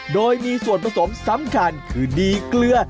โดยมีส่วนผสมสำคัญคือดีเกลือ